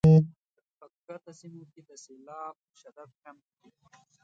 په ښکته سیمو کې د سیلاب شدت کم کړي.